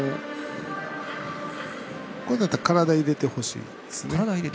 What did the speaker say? これだったら体入れて欲しいですね。